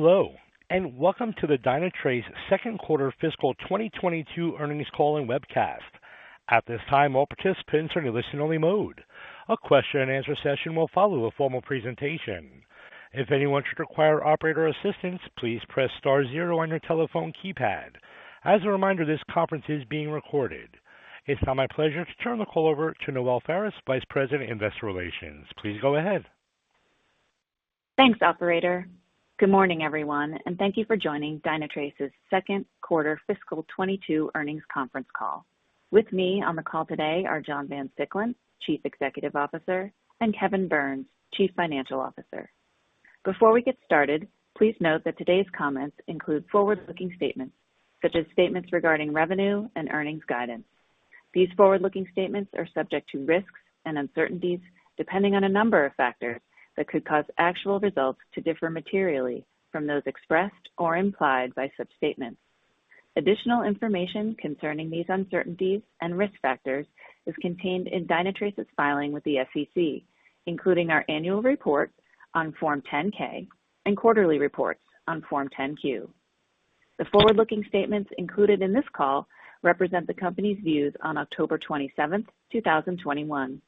Hello, and welcome to the Dynatrace second quarter fiscal 2022 earnings call and webcast. At this time, all participants are in listen only mode. A question and answer session will follow a formal presentation. If anyone should require operator assistance, please press star zero on your telephone keypad. As a reminder, this conference is being recorded. It's now my pleasure to turn the call over to Noelle Faris, Vice President, Investor Relations. Please go ahead. Thanks, operator. Good morning, everyone, and thank you for joining Dynatrace's second quarter fiscal 2022 earnings conference call. With me on the call today are John Van Siclen, Chief Executive Officer, and Kevin Burns, Chief Financial Officer. Before we get started, please note that today's comments include forward-looking statements, such as statements regarding revenue and earnings guidance. These forward-looking statements are subject to risks and uncertainties depending on a number of factors that could cause actual results to differ materially from those expressed or implied by such statements. Additional information concerning these uncertainties and risk factors is contained in Dynatrace's filing with the SEC, including our annual report on Form 10-K and quarterly reports on Form 10-Q. The forward-looking statements included in this call represent the company's views on October 27, 2021.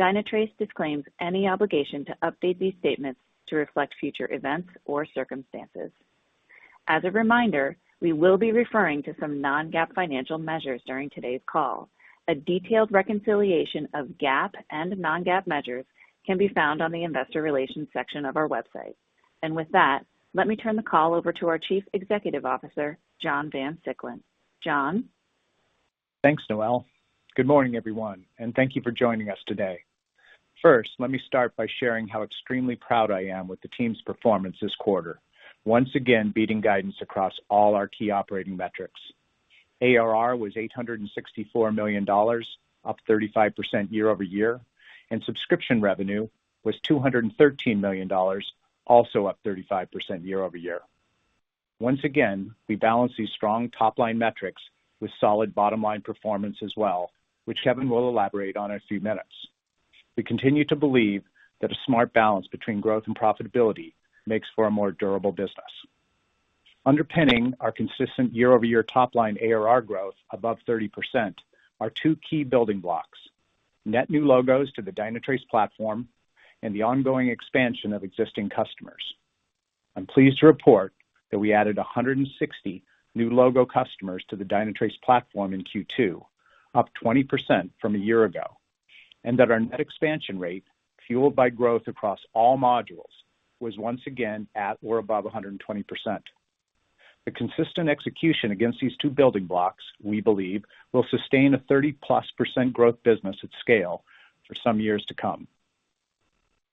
Dynatrace disclaims any obligation to update these statements to reflect future events or circumstances. As a reminder, we will be referring to some non-GAAP financial measures during today's call. A detailed reconciliation of GAAP and non-GAAP measures can be found on the investor relations section of our website. With that, let me turn the call over to our Chief Executive Officer, John Van Siclen. John? Thanks, Noelle. Good morning, everyone, and thank you for joining us today. First, let me start by sharing how extremely proud I am with the team's performance this quarter. Once again, beating guidance across all our key operating metrics. ARR was $864 million, up 35% year-over-year, and subscription revenue was $213 million, also up 35% year-over-year. Once again, we balance these strong top-line metrics with solid bottom-line performance as well, which Kevin will elaborate on in a few minutes. We continue to believe that a smart balance between growth and profitability makes for a more durable business. Underpinning our consistent year-over-year top-line ARR growth above 30% are two key building blocks, net new logos to the Dynatrace platform and the ongoing expansion of existing customers. I'm pleased to report that we added 160 new logo customers to the Dynatrace platform in Q2, up 20% from a year ago, and that our net expansion rate, fueled by growth across all modules, was once again at or above 120%. The consistent execution against these two building blocks, we believe, will sustain a 30%+ growth business at scale for some years to come.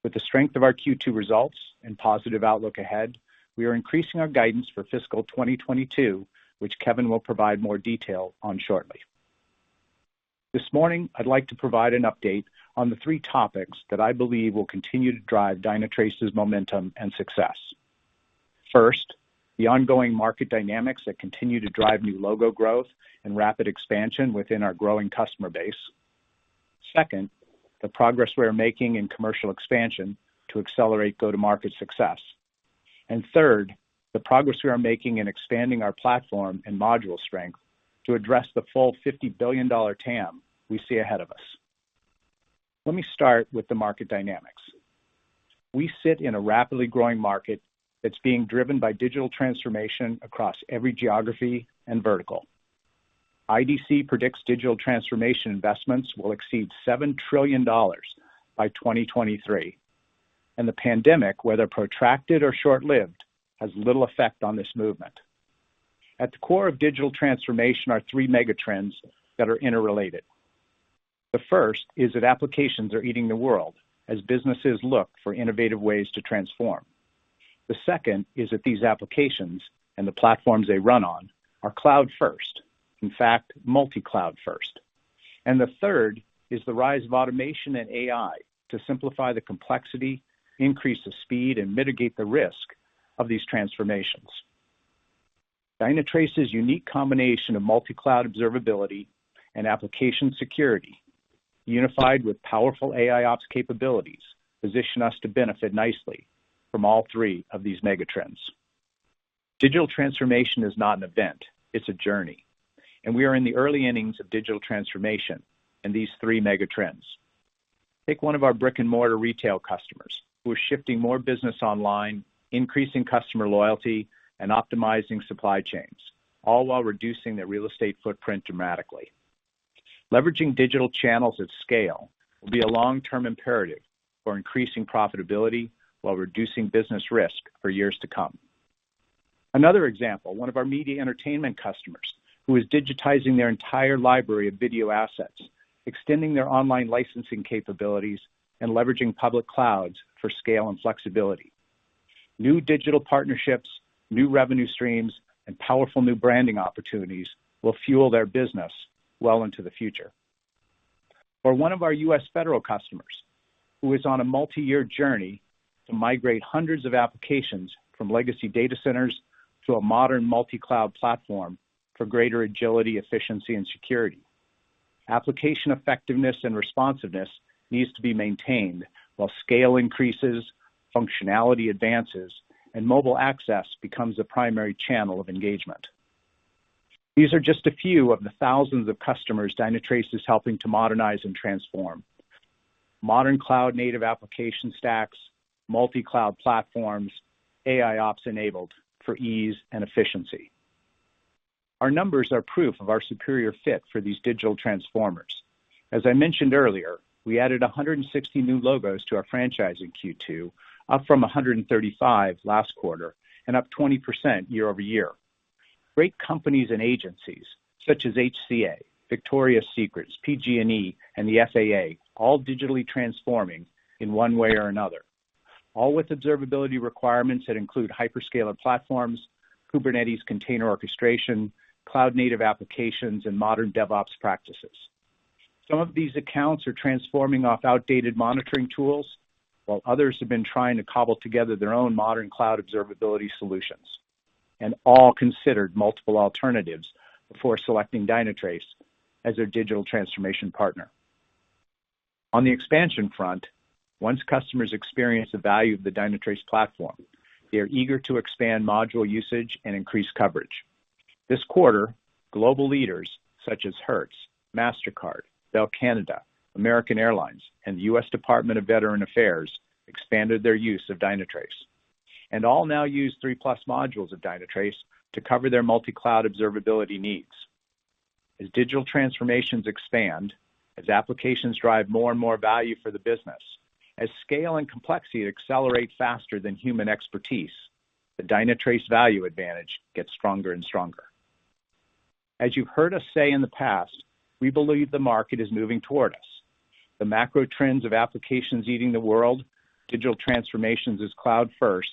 With the strength of our Q2 results and positive outlook ahead, we are increasing our guidance for fiscal 2022, which Kevin will provide more detail on shortly. This morning, I'd like to provide an update on the three topics that I believe will continue to drive Dynatrace's momentum and success. First, the ongoing market dynamics that continue to drive new logo growth and rapid expansion within our growing customer base. Second, the progress we are making in commercial expansion to accelerate go-to-market success. Third, the progress we are making in expanding our platform and module strength to address the full $50 billion TAM we see ahead of us. Let me start with the market dynamics. We sit in a rapidly growing market that's being driven by digital transformation across every geography and vertical. IDC predicts digital transformation investments will exceed $7 trillion by 2023, and the pandemic, whether protracted or short-lived, has little effect on this movement. At the core of digital transformation are three mega trends that are interrelated. The first is that applications are eating the world as businesses look for innovative ways to transform. The second is that these applications and the platforms they run on are cloud-first. In fact, multi-cloud first. The third is the rise of automation and AI to simplify the complexity, increase the speed, and mitigate the risk of these transformations. Dynatrace's unique combination of multi-cloud observability and application security, unified with powerful AIOps capabilities, position us to benefit nicely from all three of these mega trends. Digital transformation is not an event, it's a journey, and we are in the early innings of digital transformation in these three mega trends. Take one of our brick-and-mortar retail customers who are shifting more business online, increasing customer loyalty, and optimizing supply chains, all while reducing their real estate footprint dramatically. Leveraging digital channels at scale will be a long-term imperative for increasing profitability while reducing business risk for years to come. Another example, one of our media entertainment customers who is digitizing their entire library of video assets, extending their online licensing capabilities, and leveraging public clouds for scale and flexibility. New digital partnerships, new revenue streams, and powerful new branding opportunities will fuel their business well into the future. For one of our U.S. federal customers who is on a multi-year journey to migrate hundreds of applications from legacy data centers to a modern multi-cloud platform for greater agility, efficiency, and security. Application effectiveness and responsiveness needs to be maintained while scale increases, functionality advances, and mobile access becomes the primary channel of engagement. These are just a few of the thousands of customers Dynatrace is helping to modernize and transform. Modern cloud native application stacks, multi-cloud platforms, AIOps enabled for ease and efficiency. Our numbers are proof of our superior fit for these digital transformers. As I mentioned earlier, we added 160 new logos to our franchise in Q2, up from 135 last quarter, and up 20% year-over-year. Great companies and agencies such as HCA, Victoria's Secret, PG&E, and the FAA, all digitally transforming in one way or another, all with observability requirements that include hyperscaler platforms, Kubernetes container orchestration, cloud native applications, and modern DevOps practices. Some of these accounts are transforming off outdated monitoring tools, while others have been trying to cobble together their own modern cloud observability solutions, and all considered multiple alternatives before selecting Dynatrace as their digital transformation partner. On the expansion front, once customers experience the value of the Dynatrace platform, they are eager to expand module usage and increase coverage. This quarter, global leaders such as Hertz, Mastercard, Bell Canada, American Airlines, and the U.S. Department of Veterans Affairs expanded their use of Dynatrace, and all now use three-plus modules of Dynatrace to cover their multi-cloud observability needs. As digital transformations expand, as applications drive more and more value for the business, as scale and complexity accelerate faster than human expertise, the Dynatrace value advantage gets stronger and stronger. As you've heard us say in the past, we believe the market is moving toward us. The macro trends of applications eating the world, digital transformations as cloud-first,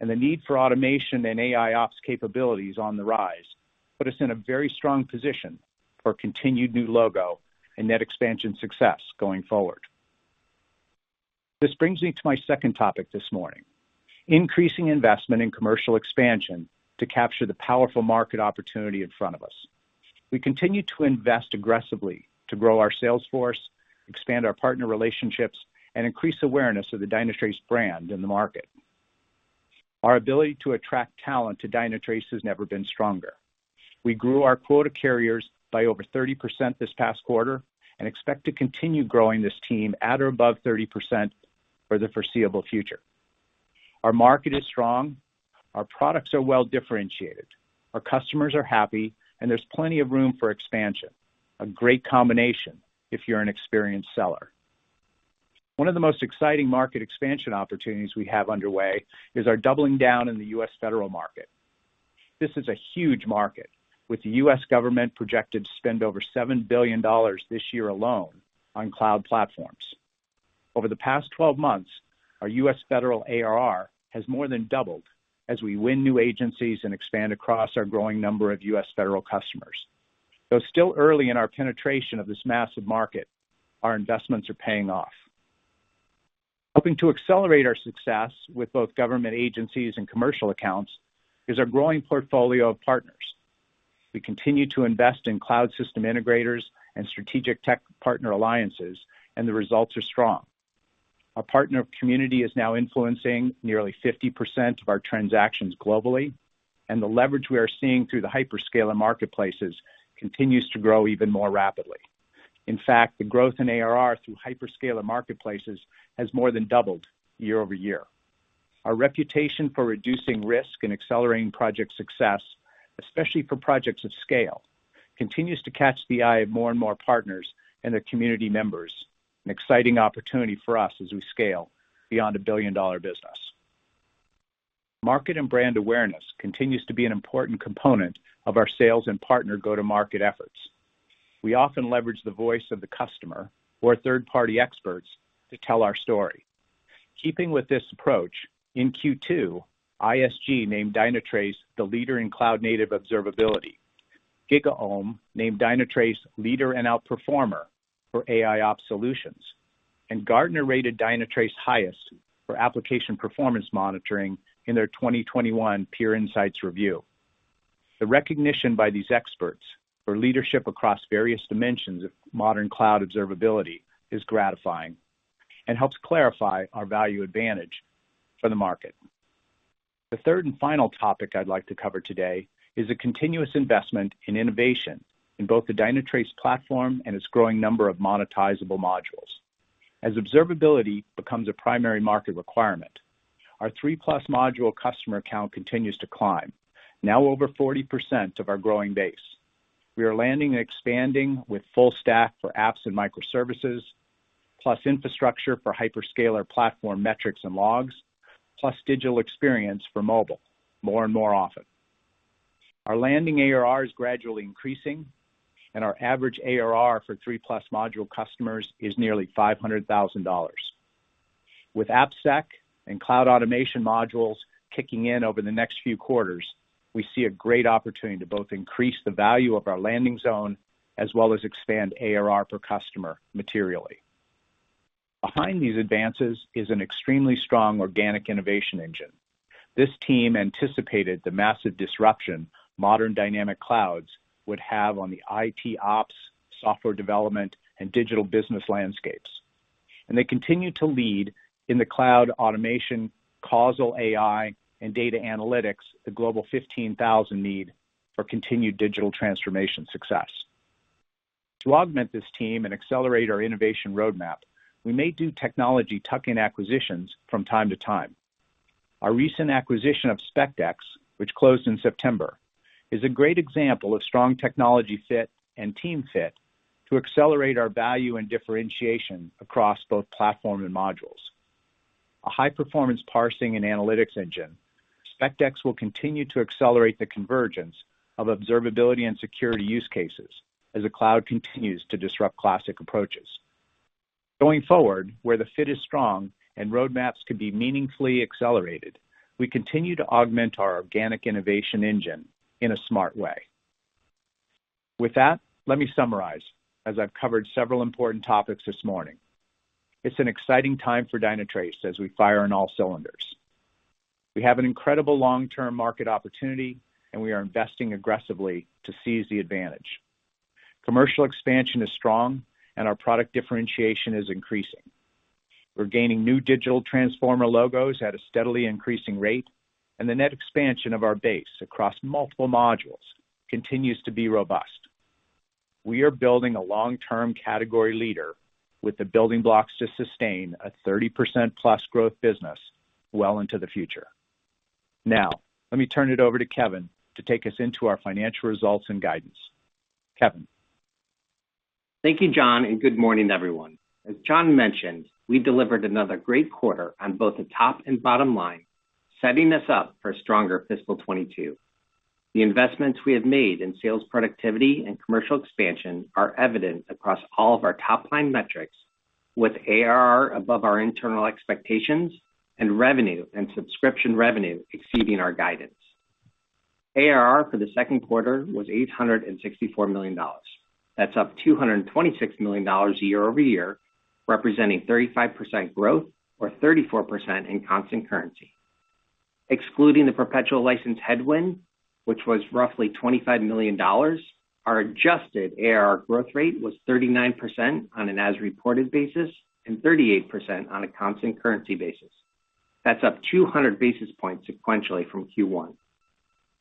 and the need for automation and AIOps capabilities on the rise put us in a very strong position for continued new logo and net expansion success going forward. This brings me to my second topic this morning, increasing investment in commercial expansion to capture the powerful market opportunity in front of us. We continue to invest aggressively to grow our sales force, expand our partner relationships, and increase awareness of the Dynatrace brand in the market. Our ability to attract talent to Dynatrace has never been stronger. We grew our quota carriers by over 30% this past quarter and expect to continue growing this team at or above 30% for the foreseeable future. Our market is strong, our products are well-differentiated, our customers are happy, and there's plenty of room for expansion. A great combination if you're an experienced seller. One of the most exciting market expansion opportunities we have underway is our doubling down in the U.S. federal market. This is a huge market, with the U.S. government projected to spend over $7 billion this year alone on cloud platforms. Over the past 12 months, our U.S. federal ARR has more than doubled as we win new agencies and expand across our growing number of U.S. federal customers. Though still early in our penetration of this massive market, our investments are paying off. Helping to accelerate our success with both government agencies and commercial accounts is our growing portfolio of partners. We continue to invest in cloud system integrators and strategic tech partner alliances, and the results are strong. Our partner community is now influencing nearly 50% of our transactions globally, and the leverage we are seeing through the hyperscaler marketplaces continues to grow even more rapidly. In fact, the growth in ARR through hyperscaler marketplaces has more than doubled year-over-year. Our reputation for reducing risk and accelerating project success, especially for projects of scale, continues to catch the eye of more and more partners and their community members. An exciting opportunity for us as we scale beyond a billion-dollar business. Market and brand awareness continues to be an important component of our sales and partner go-to-market efforts. We often leverage the voice of the customer or third-party experts to tell our story. Keeping with this approach, in Q2, ISG named Dynatrace the leader in cloud native observability. GigaOm named Dynatrace leader and outperformer for AIOps solutions. Gartner rated Dynatrace highest for application performance monitoring in their 2021 Peer Insights review. The recognition by these experts for leadership across various dimensions of modern cloud observability is gratifying and helps clarify our value advantage for the market. The third and final topic I'd like to cover today is the continuous investment in innovation in both the Dynatrace platform and its growing number of monetizable modules. As observability becomes a primary market requirement, our three-plus module customer count continues to climb. Now over 40% of our growing base, we are landing and expanding with Full-Stack for apps and microservices, plus infrastructure for hyperscaler platform metrics and logs, plus digital experience for mobile more and more often. Our landing ARR is gradually increasing and our average ARR for three-plus module customers is nearly $500,000. With AppSec and cloud automation modules kicking in over the next few quarters, we see a great opportunity to both increase the value of our landing zone as well as expand ARR per customer materially. Behind these advances is an extremely strong organic innovation engine. This team anticipated the massive disruption modern dynamic clouds would have on the IT ops, software development, and digital business landscapes. They continue to lead in the cloud automation, causal AI, and data analytics that the Global 15,000 need for continued digital transformation success. To augment this team and accelerate our innovation roadmap, we may do technology tuck-in acquisitions from time to time. Our recent acquisition of SpectX, which closed in September, is a great example of strong technology fit and team fit to accelerate our value and differentiation across both platform and modules. A high-performance parsing and analytics engine, SpectX will continue to accelerate the convergence of observability and security use cases as the cloud continues to disrupt classic approaches. Going forward, where the fit is strong and roadmaps could be meaningfully accelerated, we continue to augment our organic innovation engine in a smart way. With that, let me summarize, as I've covered several important topics this morning. It's an exciting time for Dynatrace as we fire on all cylinders. We have an incredible long-term market opportunity, and we are investing aggressively to seize the advantage. Commercial expansion is strong, and our product differentiation is increasing. We're gaining new digital transformer logos at a steadily increasing rate, and the net expansion of our base across multiple modules continues to be robust. We are building a long-term category leader with the building blocks to sustain a 30%+ growth business well into the future. Now, let me turn it over to Kevin to take us into our financial results and guidance. Kevin? Thank you, John, and good morning, everyone. As John mentioned, we delivered another great quarter on both the top and bottom line, setting us up for a stronger fiscal 2022. The investments we have made in sales productivity and commercial expansion are evident across all of our top-line metrics, with ARR above our internal expectations and revenue and subscription revenue exceeding our guidance. ARR for the second quarter was $864 million. That's up $226 million year-over-year, representing 35% growth or 34% in constant currency. Excluding the perpetual license headwind, which was roughly $25 million, our adjusted ARR growth rate was 39% on an as-reported basis and 38% on a constant currency basis. That's up 200 basis points sequentially from Q1.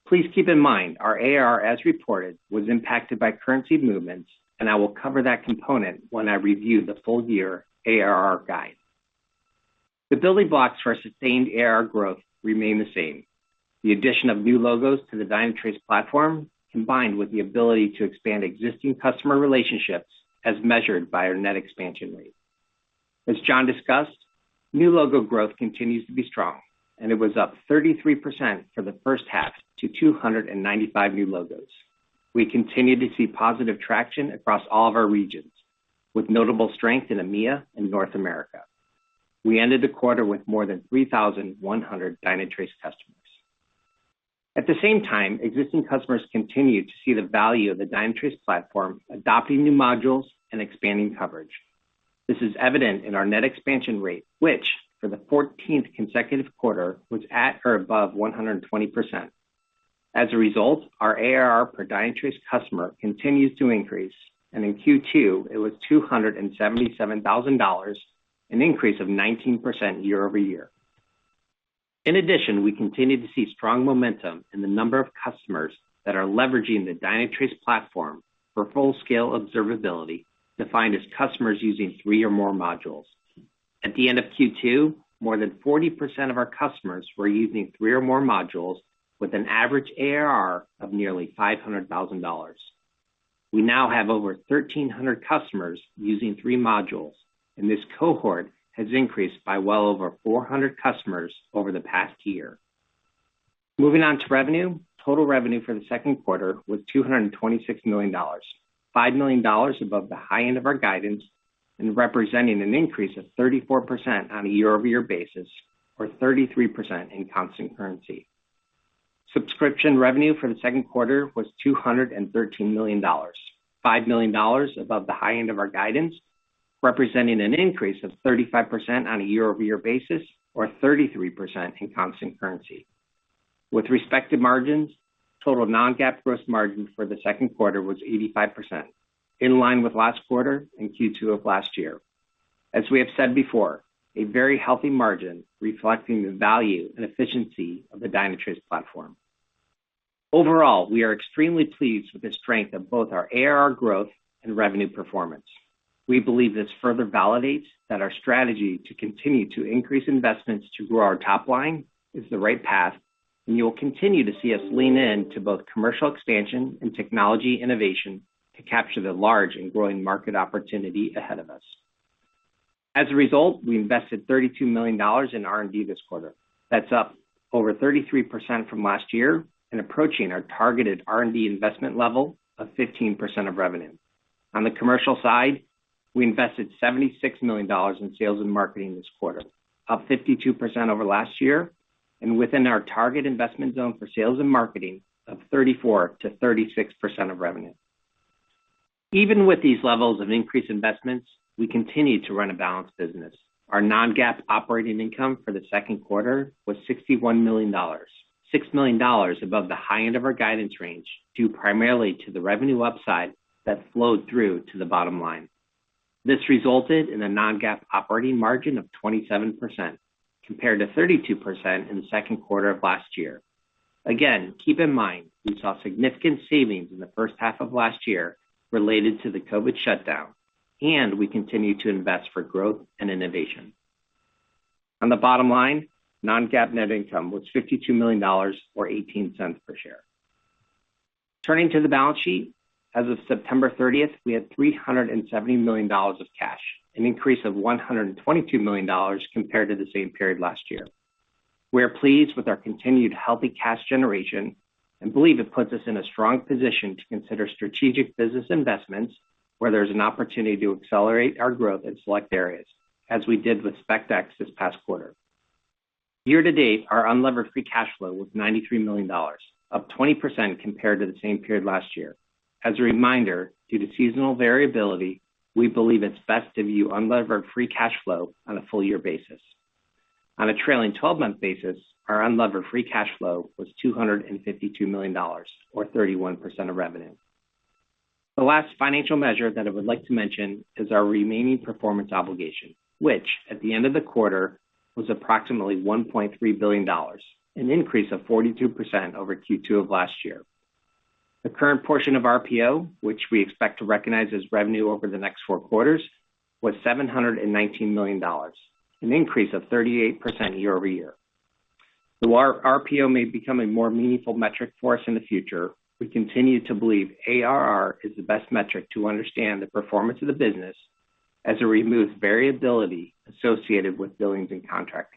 Please keep in mind our ARR, as reported, was impacted by currency movements, and I will cover that component when I review the full year ARR guide. The building blocks for sustained ARR growth remain the same, the addition of new logos to the Dynatrace platform, combined with the ability to expand existing customer relationships as measured by our net expansion rate. As John discussed, new logo growth continues to be strong, and it was up 33% for the first half to 295 new logos. We continue to see positive traction across all of our regions, with notable strength in EMEA and North America. We ended the quarter with more than 3,100 Dynatrace customers. At the same time, existing customers continued to see the value of the Dynatrace platform, adopting new modules and expanding coverage. This is evident in our net expansion rate, which, for the 14th consecutive quarter, was at or above 120%. As a result, our ARR per Dynatrace customer continues to increase, and in Q2, it was $277,000, an increase of 19% year-over-year. In addition, we continue to see strong momentum in the number of customers that are leveraging the Dynatrace platform for full-scale observability, defined as customers using three or more modules. At the end of Q2, more than 40% of our customers were using three or more modules with an average ARR of nearly $500,000. We now have over 1,300 customers using three modules, and this cohort has increased by well over 400 customers over the past year. Moving on to revenue. Total revenue for the second quarter was $226 million, $5 million above the high end of our guidance and representing an increase of 34% on a year-over-year basis, or 33% in constant currency. Subscription revenue for the second quarter was $213 million, $5 million above the high end of our guidance, representing an increase of 35% on a year-over-year basis or 33% in constant currency. With respective margins, total non-GAAP gross margin for the second quarter was 85%, in line with last quarter and Q2 of last year. As we have said before, a very healthy margin reflecting the value and efficiency of the Dynatrace platform. Overall, we are extremely pleased with the strength of both our ARR growth and revenue performance. We believe this further validates that our strategy to continue to increase investments to grow our top line is the right path, and you'll continue to see us lean in to both commercial expansion and technology innovation to capture the large and growing market opportunity ahead of us. As a result, we invested $32 million in R&D this quarter. That's up over 33% from last year and approaching our targeted R&D investment level of 15% of revenue. On the commercial side, we invested $76 million in sales and marketing this quarter, up 52% over last year and within our target investment zone for sales and marketing of 34%-36% of revenue. Even with these levels of increased investments, we continue to run a balanced business. Our non-GAAP operating income for the second quarter was $61 million, $6 million above the high end of our guidance range, due primarily to the revenue upside that flowed through to the bottom line. This resulted in a non-GAAP operating margin of 27% compared to 32% in the second quarter of last year. Again, keep in mind, we saw significant savings in the first half of last year related to the COVID shutdown, and we continue to invest for growth and innovation. On the bottom line, non-GAAP net income was $52 million or $0.18 per share. Turning to the balance sheet. As of September 30th, we had $370 million of cash, an increase of $122 million compared to the same period last year. We are pleased with our continued healthy cash generation and believe it puts us in a strong position to consider strategic business investments where there's an opportunity to accelerate our growth in select areas, as we did with SpectX this past quarter. Year to date, our unlevered free cash flow was $93 million, up 20% compared to the same period last year. As a reminder, due to seasonal variability, we believe it's best to view unlevered free cash flow on a full year basis. On a trailing 12-month basis, our unlevered free cash flow was $252 million, or 31% of revenue. The last financial measure that I would like to mention is our remaining performance obligation, which at the end of the quarter was approximately $1.3 billion, an increase of 42% over Q2 of last year. The current portion of RPO, which we expect to recognize as revenue over the next four quarters, was $719 million, an increase of 38% year-over-year. Though R-RPO may become a more meaningful metric for us in the future, we continue to believe ARR is the best metric to understand the performance of the business as it removes variability associated with billings and contracts.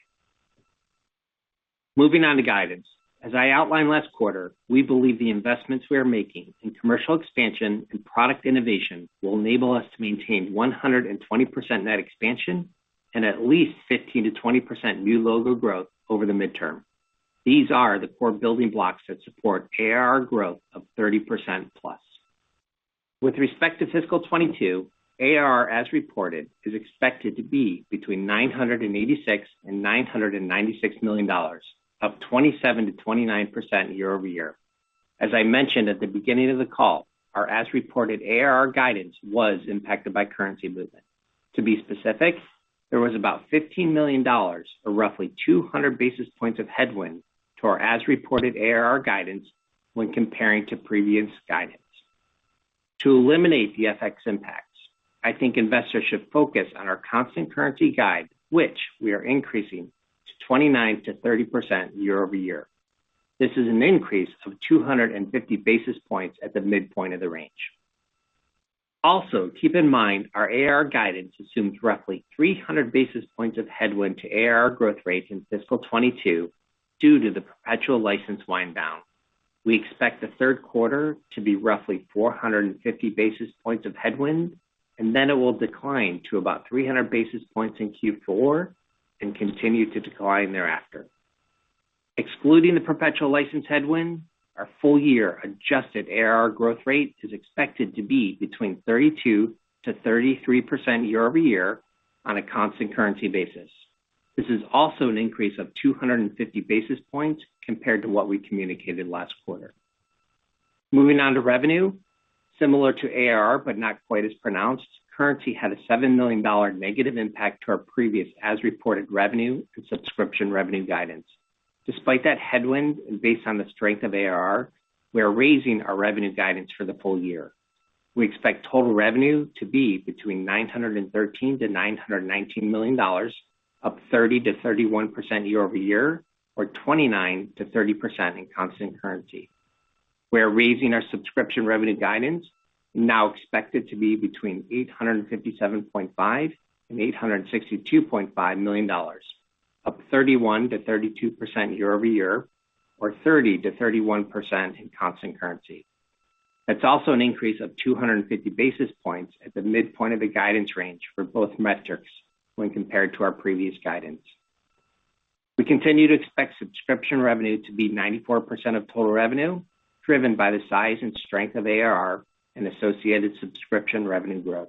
Moving on to guidance. As I outlined last quarter, we believe the investments we are making in commercial expansion and product innovation will enable us to maintain 120% net expansion and at least 15%-20% new logo growth over the midterm. These are the core building blocks that support ARR growth of 30%+. With respect to fiscal 2022, ARR as reported is expected to be between $986 million and $996 million, up 27.9% year-over-year. As I mentioned at the beginning of the call, our as-reported ARR guidance was impacted by currency movement. To be specific, there was about $15 million, or roughly 200 basis points of headwind to our as-reported ARR guidance when comparing to previous guidance. To eliminate the FX impacts, I think investors should focus on our constant currency guide, which we are increasing to 29%-30% year-over-year. This is an increase of 250 basis points at the midpoint of the range. Also, keep in mind, our ARR guidance assumes roughly 300 basis points of headwind to ARR growth rate in fiscal 2022 due to the perpetual license wind down. We expect the third quarter to be roughly 450 basis points of headwind, and then it will decline to about 300 basis points in Q4 and continue to decline thereafter. Excluding the perpetual license headwind, our full year adjusted ARR growth rate is expected to be between 32%-33% year-over-year on a constant currency basis. This is also an increase of 250 basis points compared to what we communicated last quarter. Moving on to revenue. Similar to ARR, but not quite as pronounced, currency had a $7 million negative impact to our previous as-reported revenue and subscription revenue guidance. Despite that headwind, and based on the strength of ARR, we are raising our revenue guidance for the full year. We expect total revenue to be between $913 million-$919 million, up 30%-31% year-over-year, or 29%-30% in constant currency. We're raising our subscription revenue guidance, now expected to be between $857.5 million-$862.5 million, up 31%-32% year-over-year, or 30%-31% in constant currency. That's also an increase of 250 basis points at the midpoint of the guidance range for both metrics when compared to our previous guidance. We continue to expect subscription revenue to be 94% of total revenue, driven by the size and strength of ARR and associated subscription revenue growth.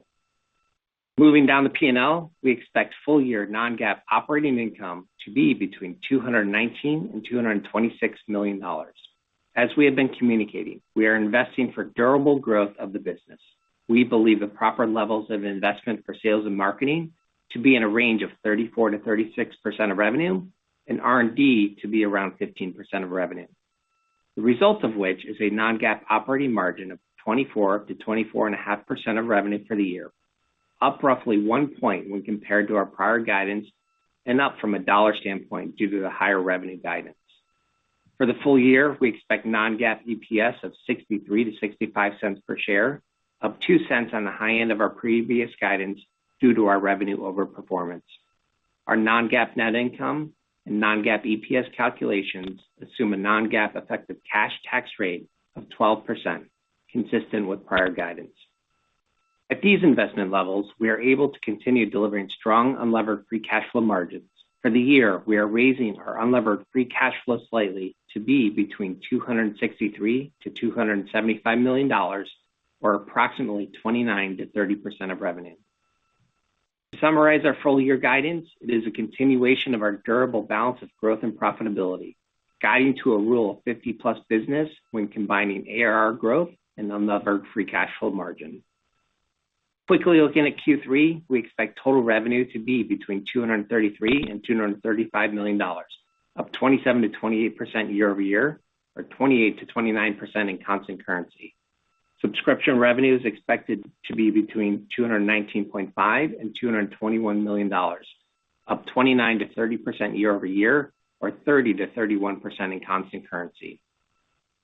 Moving down the P&L, we expect full year non-GAAP operating income to be between $219 million and $226 million. As we have been communicating, we are investing for durable growth of the business. We believe the proper levels of investment for sales and marketing to be in a range of 34%-36% of revenue and R&D to be around 15% of revenue. The result of which is a non-GAAP operating margin of 24%-24.5% of revenue for the year, up roughly 1% when compared to our prior guidance, and up from a dollar standpoint due to the higher revenue guidance. For the full year, we expect non-GAAP EPS of $0.63-$0.65 per share, up $0.02 on the high end of our previous guidance due to our revenue overperformance. Our non-GAAP net income and non-GAAP EPS calculations assume a non-GAAP effective cash tax rate of 12%, consistent with prior guidance. At these investment levels, we are able to continue delivering strong unlevered free cash flow margins. For the year, we are raising our unlevered free cash flow slightly to be between $263 million-$275 million, or approximately 29%-30% of revenue. To summarize our full-year guidance, it is a continuation of our durable balance of growth and profitability, guiding to a rule of 50+ business when combining ARR growth and unlevered free cash flow margin. Quickly looking at Q3, we expect total revenue to be between $233 million-$235 million, up 27%-28% year-over-year, or 28%-29% in constant currency. Subscription revenue is expected to be between $219.5 million and $221 million, up 29%-30% year-over-year, or 30%-31% in constant currency.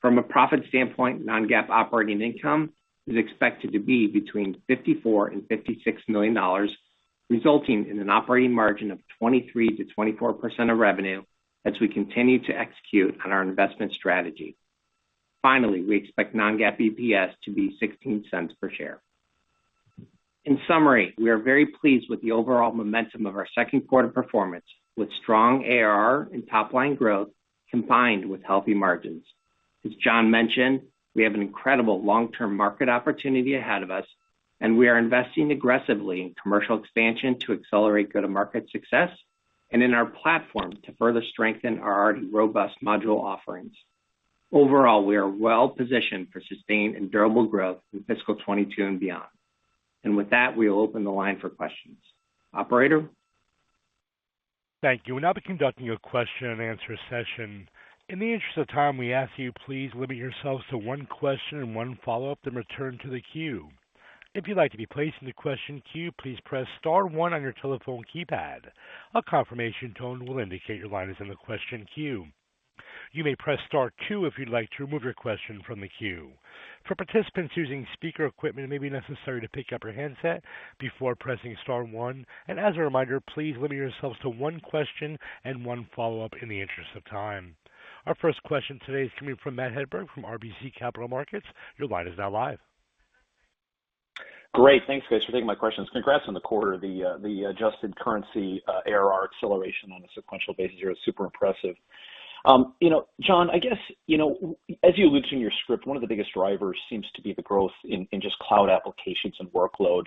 From a profit standpoint, non-GAAP operating income is expected to be between $54 million and $56 million, resulting in an operating margin of 23%-24% of revenue as we continue to execute on our investment strategy. Finally, we expect non-GAAP EPS to be $0.16 per share. In summary, we are very pleased with the overall momentum of our second quarter performance, with strong ARR and top line growth combined with healthy margins. As John mentioned, we have an incredible long-term market opportunity ahead of us, and we are investing aggressively in commercial expansion to accelerate go-to-market success and in our platform to further strengthen our already robust module offerings. Overall, we are well positioned for sustained and durable growth through fiscal 2022 and beyond. With that, we will open the line for questions. Operator? Thank you. We'll now be conducting a question and answer session. In the interest of time, we ask you please limit yourselves to one question and one follow-up, then return to the queue. If you'd like to be placed in the question queue, please press star one on your telephone keypad. A confirmation tone will indicate your line is in the question queue. You may press star two if you'd like to remove your question from the queue. For participants using speaker equipment, it may be necessary to pick up your handset before pressing star one. As a reminder, please limit yourselves to one question and one follow-up in the interest of time. Our first question today is coming from Matthew Hedberg from RBC Capital Markets. Your line is now live. Great. Thanks, guys, for taking my questions. Congrats on the quarter. The adjusted currency ARR acceleration on a sequential basis here is super impressive. You know, John, I guess, you know, as you allude to in your script, one of the biggest drivers seems to be the growth in just cloud applications and workload.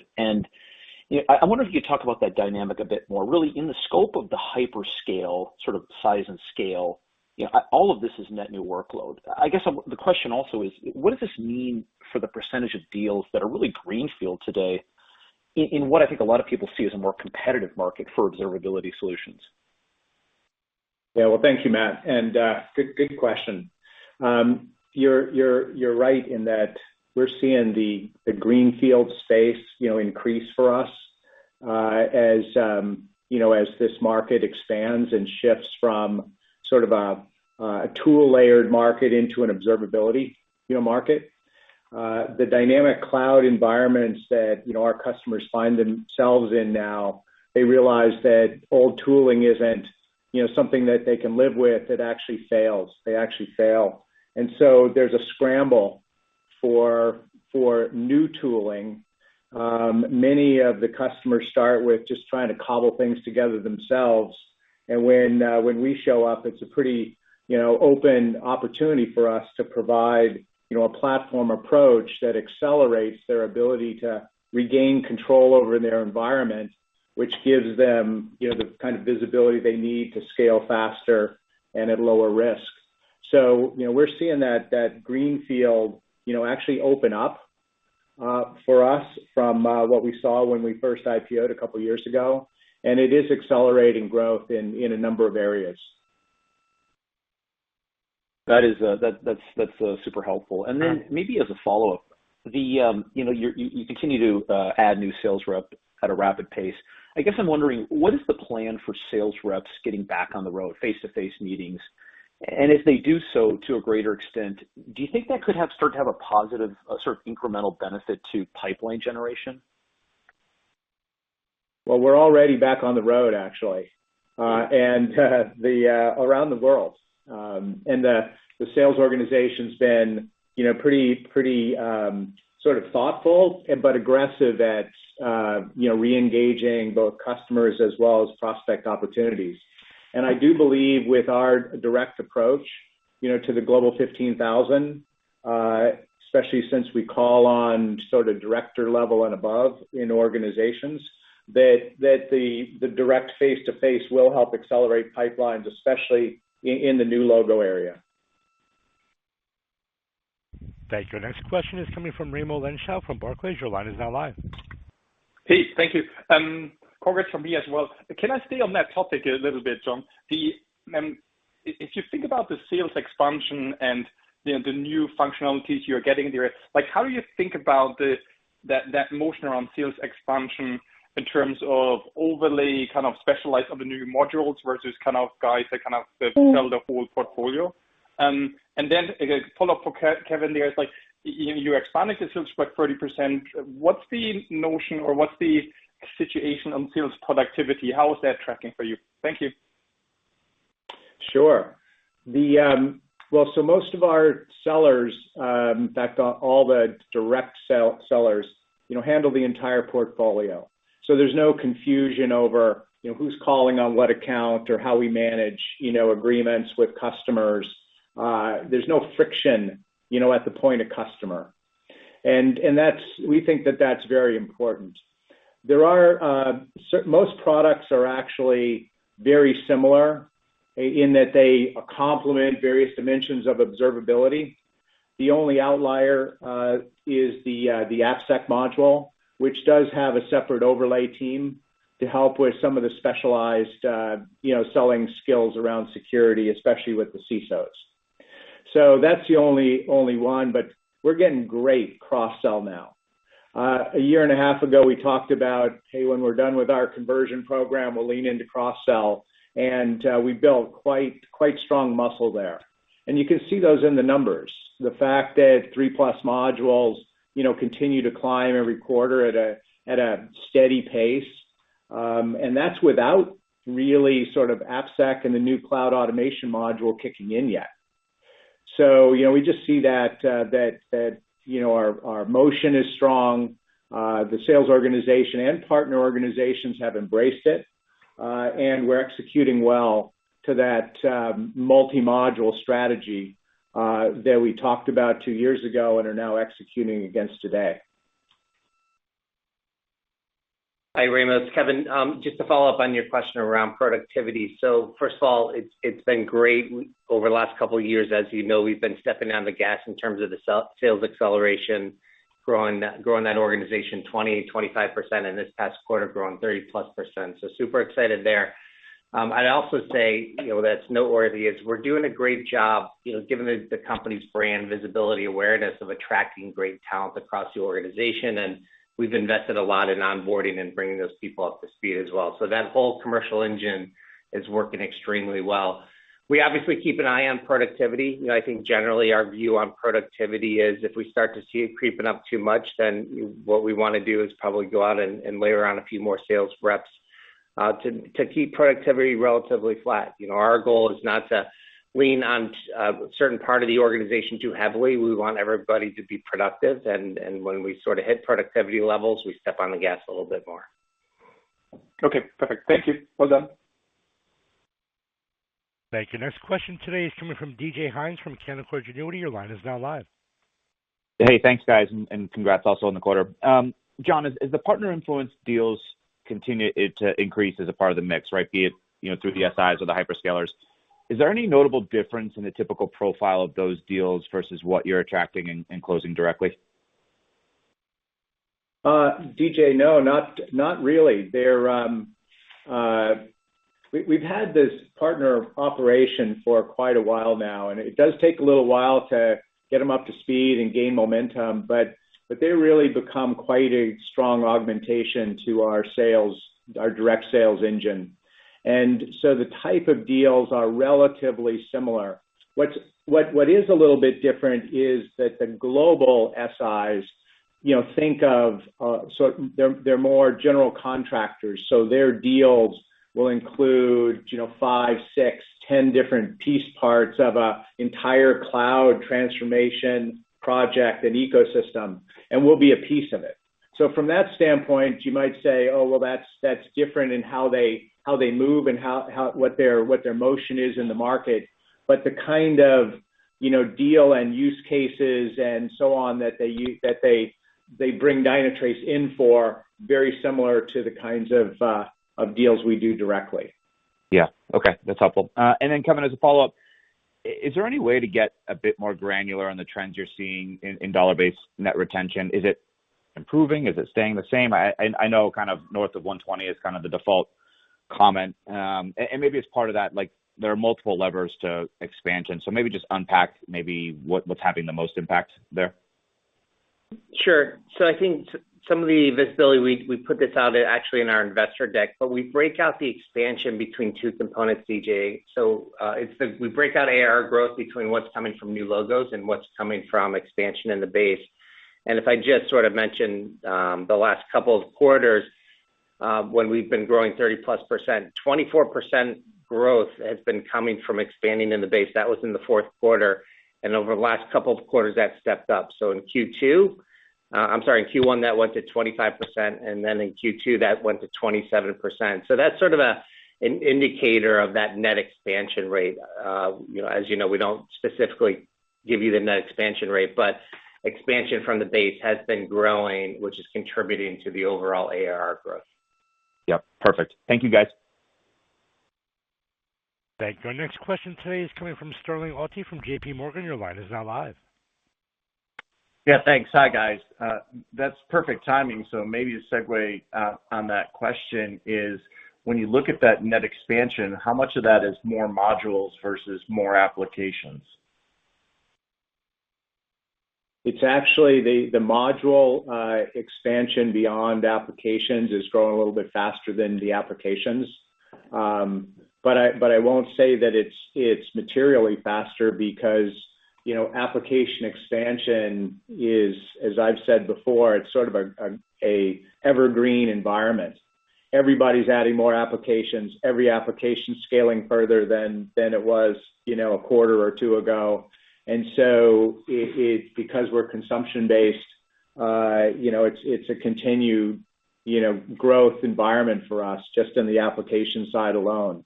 You know, I wonder if you could talk about that dynamic a bit more, really in the scope of the hyperscale, sort of size and scale. You know, all of this is net new workload. I guess the question also is, what does this mean for the percentage of deals that are really greenfield today in what I think a lot of people see as a more competitive market for observability solutions? Yeah. Well, thank you, Matt, and good question. You're right in that we're seeing the greenfield space, you know, increase for us, as you know, as this market expands and shifts from sort of a tool-layered market into an observability, you know, market. The dynamic cloud environments that, you know, our customers find themselves in now, they realize that old tooling isn't, you know, something that they can live with that actually fails. They actually fail. So there's a scramble for new tooling. Many of the customers start with just trying to cobble things together themselves. When we show up, it's a pretty, you know, open opportunity for us to provide, you know, a platform approach that accelerates their ability to regain control over their environment, which gives them, you know, the kind of visibility they need to scale faster and at lower risk. You know, we're seeing that greenfield, you know, actually open up for us from what we saw when we first IPO'd a couple years ago, and it is accelerating growth in a number of areas. That's super helpful. Maybe as a follow-up, you continue to add new sales rep at a rapid pace. I guess I'm wondering what is the plan for sales reps getting back on the road, face-to-face meetings? If they do so to a greater extent, do you think that could start to have a positive incremental benefit to pipeline generation? Well, we're already back on the road actually, and they're around the world. The sales organization's been, you know, pretty sort of thoughtful but aggressive at, you know, re-engaging both customers as well as prospect opportunities. I do believe with our direct approach, you know, to the Global 15000, especially since we call on sort of director level and above in organizations, that the direct face-to-face will help accelerate pipelines, especially in the new logo area. Thank you. Next question is coming from Raimo Lenschow from Barclays. Your line is now live. Hey, thank you. Congrats from me as well. Can I stay on that topic a little bit, John? If you think about the sales expansion and, you know, the new functionalities you're getting there, like how do you think about that motion around sales expansion in terms of overly kind of specialized on the new modules versus kind of guys that kind of sell the whole portfolio? And then a follow-up for Kevin there is like, you expanded the sales rep 30%. What's the notion or what's the situation on sales productivity? How is that tracking for you? Thank you. Sure. Well, most of our sellers, in fact, all the direct sellers, you know, handle the entire portfolio. There's no confusion over, you know, who's calling on what account or how we manage, you know, agreements with customers. There's no friction, you know, at the point of customer. We think that that's very important. Most products are actually very similar in that they complement various dimensions of observability. The only outlier is the AppSec module, which does have a separate overlay team to help with some of the specialized, you know, selling skills around security, especially with the CISOs. That's the only one, but we're getting great cross-sell now. A year and a half ago, we talked about, hey, when we're done with our conversion program, we'll lean into cross-sell, and we built quite strong muscle there. You can see those in the numbers. The fact that three-plus modules, you know, continue to climb every quarter at a steady pace, and that's without really sort of AppSec and the new cloud automation module kicking in yet. You know, we just see that our motion is strong, the sales organization and partner organizations have embraced it, and we're executing well to that multi-module strategy that we talked about two years ago and are now executing against today. Hi, Raimo. It's Kevin. Just to follow up on your question around productivity. First of all, it's been great over the last couple of years. As you know, we've been stepping on the gas in terms of the sales acceleration, growing that organization 20-25%, and this past quarter, growing 30%+. Super excited there. I'd also say, you know, that's noteworthy is we're doing a great job, you know, given the company's brand visibility, awareness of attracting great talent across the organization, and we've invested a lot in onboarding and bringing those people up to speed as well. That whole commercial engine is working extremely well. We obviously keep an eye on productivity. You know, I think generally our view on productivity is if we start to see it creeping up too much, then what we wanna do is probably go out and layer on a few more sales reps to keep productivity relatively flat. You know, our goal is not to lean on a certain part of the organization too heavily. We want everybody to be productive and when we sort of hit productivity levels, we step on the gas a little bit more. Okay, perfect. Thank you. Well done. Thank you. Next question today is coming from DJ Hynes from Canaccord Genuity. Your line is now live. Hey, thanks, guys, and congrats also on the quarter. John, as the partner-influenced deals continue to increase as a part of the mix, right? Be it, you know, through the SIs or the hyperscalers. Is there any notable difference in the typical profile of those deals versus what you're attracting and closing directly? DJ, no, not really. They're, we've had this partner operation for quite a while now, and it does take a little while to get them up to speed and gain momentum, but they really become quite a strong augmentation to our sales, our direct sales engine. The type of deals are relatively similar. What is a little bit different is that the global SIs, you know, think of. They're more general contractors, so their deals will include, you know, five, six, 10 different piece parts of an entire cloud transformation project and ecosystem, and we'll be a piece of it. From that standpoint, you might say, "Oh, well, that's different in how they move and how what their motion is in the market." The kind of, you know, deal and use cases and so on that they bring Dynatrace in for very similar to the kinds of deals we do directly. Yeah. Okay. That's helpful. And then Kevin, as a follow-up, is there any way to get a bit more granular on the trends you're seeing in dollar-based net retention? Is it improving? Is it staying the same? I know kind of north of 120% is kind of the default comment. And maybe it's part of that, like, there are multiple levers to expansion. Maybe just unpack what’s having the most impact there. Sure. I think some of the visibility, we put this out actually in our investor deck, but we break out the expansion between two components, DJ. We break out AR growth between what's coming from new logos and what's coming from expansion in the base. If I just sort of mention, the last couple of quarters, when we've been growing 30%+, 24% growth has been coming from expanding in the base. That was in the fourth quarter, and over the last couple of quarters, that stepped up. In Q2, I'm sorry, in Q1, that went to 25%, and then in Q2, that went to 27%. That's sort of an indicator of that net expansion rate. You know, as you know, we don't specifically give you the net expansion rate, but expansion from the base has been growing, which is contributing to the overall ARR growth. Yep, perfect. Thank you, guys. Thank you. Our next question today is coming from Sterling Auty from JPMorgan. Your line is now live. Yeah, thanks. Hi, guys. That's perfect timing, so maybe to segue on that question is, when you look at that net expansion, how much of that is more modules versus more applications? It's actually the module expansion beyond applications is growing a little bit faster than the applications. But I won't say that it's materially faster because you know, application expansion is, as I've said before, it's sort of a evergreen environment. Everybody's adding more applications, every application scaling further than it was, you know, a quarter or two ago. It's because we're consumption-based, you know, it's a continued, you know, growth environment for us just in the application side alone.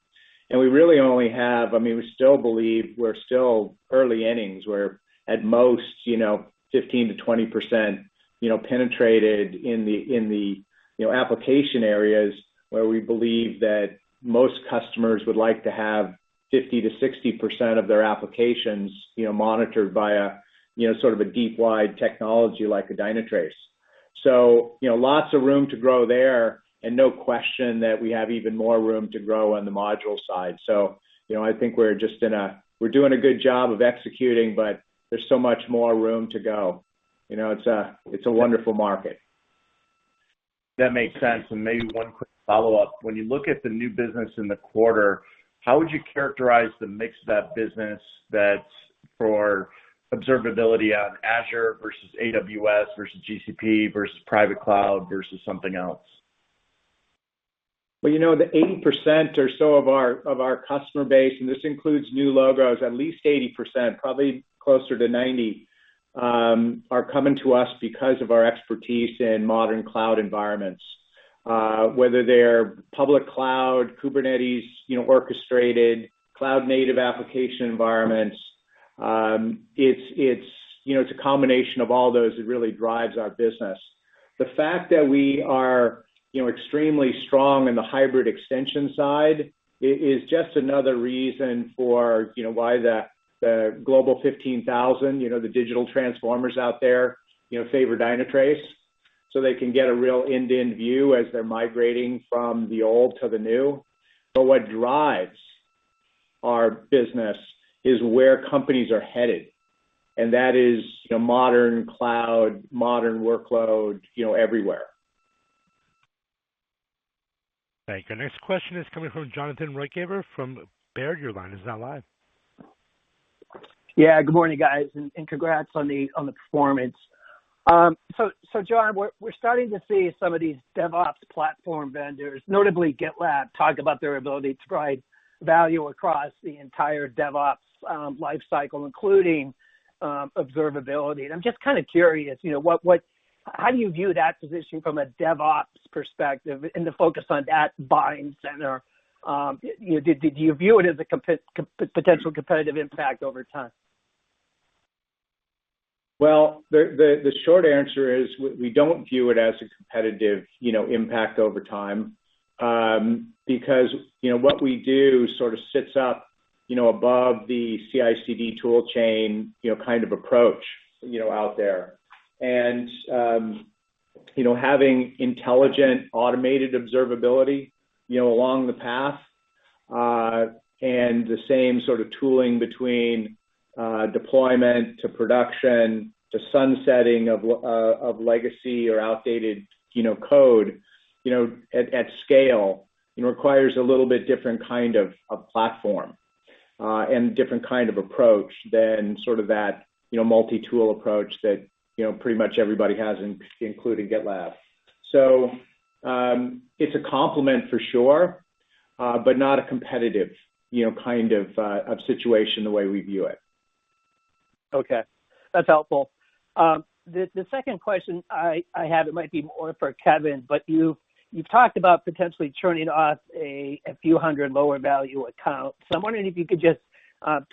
I mean, we still believe we're still early innings. We're at most, you know, 15%-20%, you know, penetrated in the, you know, application areas where we believe that most customers would like to have 50%-60% of their applications, you know, monitored via, you know, sort of a deep wide technology like a Dynatrace. You know, lots of room to grow there, and no question that we have even more room to grow on the module side. You know, I think we're just doing a good job of executing, but there's so much more room to go. You know, it's a wonderful market. That makes sense. Maybe one quick follow-up. When you look at the new business in the quarter, how would you characterize the mix of that business that's for observability on Azure versus AWS, versus GCP, versus private cloud, versus something else? Well, you know, the 80% or so of our customer base, and this includes new logos, at least 80%, probably closer to 90%, are coming to us because of our expertise in modern cloud environments. Whether they're public cloud, Kubernetes, you know, orchestrated cloud native application environments, it's, you know, it's a combination of all those that really drives our business. The fact that we are, you know, extremely strong in the hybrid extension side is just another reason for, you know, why the Global 15000, you know, the digital transformers out there, you know, favor Dynatrace, so they can get a real end-to-end view as they're migrating from the old to the new. What drives our business is where companies are headed, and that is, you know, modern cloud, modern workload, you know, everywhere. Thank you. Next question is coming from Jonathan Ruykhaver from Baird. Your line is now live. Yeah. Good morning, guys, and congrats on the performance. So John, we're starting to see some of these DevOps platform vendors, notably GitLab, talk about their ability to provide value across the entire DevOps life cycle, including observability. I'm just kind of curious, you know, how do you view that position from a DevOps perspective and the focus on that buying center? You know, did you view it as a potential competitive impact over time? Well, the short answer is we don't view it as a competitive, you know, impact over time, because, you know, what we do sort of sits up, you know, above the CI/CD tool chain, you know, kind of approach, you know, out there. You know, having intelligent, automated observability, you know, along the path, and the same sort of tooling between deployment to production to sunsetting of legacy or outdated, you know, code, you know, at scale, it requires a little bit different kind of platform, and different kind of approach than sort of that, you know, multi-tool approach that, you know, pretty much everybody has, including GitLab. It's a complement for sure, but not a competitive, you know, kind of situation, the way we view it. Okay. That's helpful. The second question I have, it might be more for Kevin, but you've talked about potentially churning off a few hundred lower value accounts. I'm wondering if you could just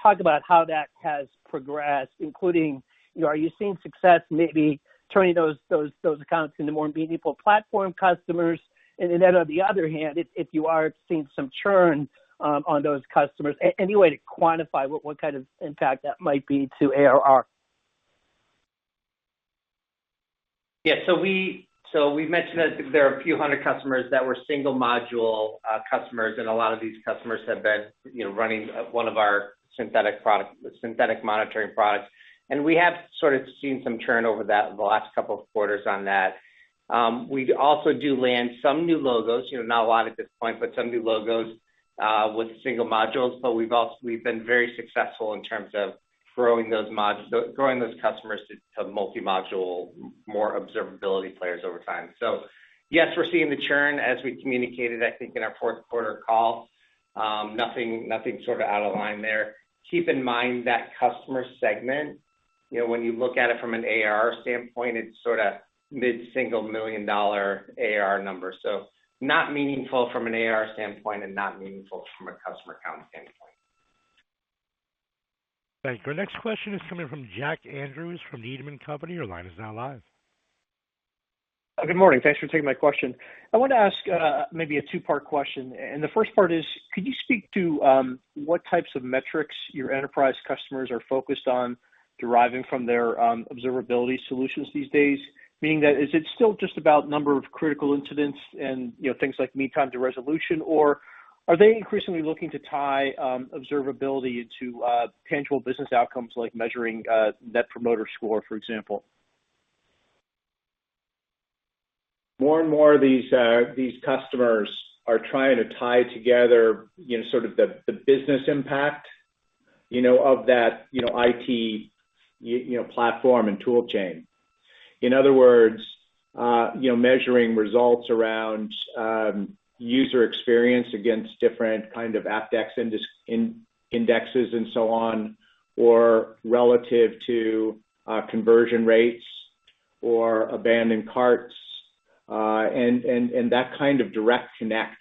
talk about how that has progressed, including, are you seeing success maybe turning those accounts into more meaningful platform customers? On the other hand, if you are seeing some churn on those customers, any way to quantify what kind of impact that might be to ARR. Yeah. We've mentioned that there are a few hundred customers that were single module customers, and a lot of these customers have been, you know, running one of our synthetic monitoring products. We have sort of seen some churn over that in the last couple of quarters on that. We also do land some new logos, you know, not a lot at this point, but some new logos with single modules. We've also been very successful in terms of growing those customers to multi-module, more observability players over time. Yes, we're seeing the churn as we communicated, I think, in our fourth quarter call. Nothing sort of out of line there. Keep in mind that customer segment, you know, when you look at it from an ARR standpoint, it's sort of mid-single million dollar ARR number. Not meaningful from an ARR standpoint and not meaningful from a customer count standpoint. Thank you. Our next question is coming from Jack Andrews from Needham & Company. Your line is now live. Good morning. Thanks for taking my question. I wanted to ask maybe a two-part question, and the first part is, could you speak to what types of metrics your enterprise customers are focused on deriving from their observability solutions these days? Meaning that, is it still just about number of critical incidents and, you know, things like mean time to resolution, or are they increasingly looking to tie observability into tangible business outcomes like measuring Net Promoter Score, for example? More and more of these customers are trying to tie together, you know, sort of the business impact, you know, of that, you know, IT you know platform and tool chain. In other words, you know, measuring results around user experience against different kind of Apdex indexes and so on, or relative to conversion rates or abandoned carts and that kind of direct connect,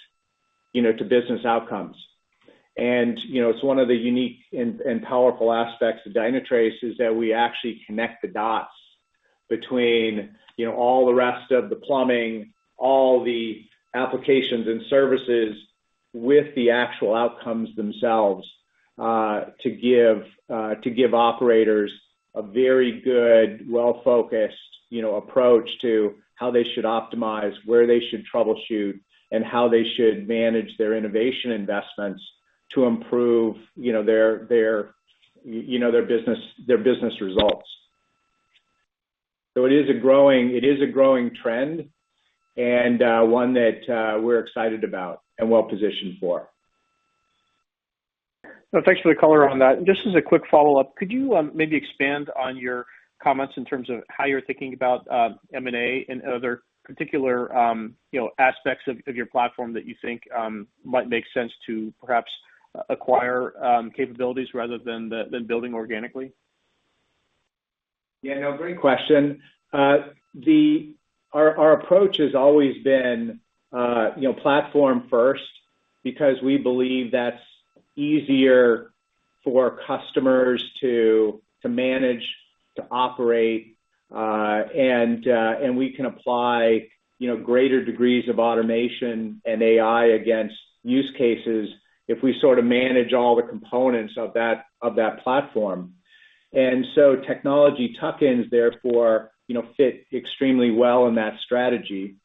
you know, to business outcomes. You know, it's one of the unique and powerful aspects of Dynatrace is that we actually connect the dots between, you know, all the rest of the plumbing, all the applications and services with the actual outcomes themselves, to give operators a very good, well-focused, you know, approach to how they should optimize, where they should troubleshoot, and how they should manage their innovation investments to improve, you know, their business results. It is a growing trend and one that we're excited about and well-positioned for. Well, thanks for the color on that. Just as a quick follow-up, could you maybe expand on your comments in terms of how you're thinking about M&A and other particular, you know, aspects of your platform that you think might make sense to perhaps acquire capabilities rather than building organically? Yeah, no, great question. Our approach has always been, you know, platform first, because we believe that's easier for customers to manage, to operate, and we can apply, you know, greater degrees of automation and AI against use cases if we sort of manage all the components of that platform. Technology tuck-ins, therefore, you know, fit extremely well in that strategy.